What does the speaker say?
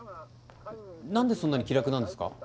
なんでそんなに気楽なんですか？